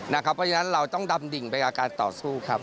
เพราะฉะนั้นเราต้องดำดิ่งไปกับการต่อสู้ครับ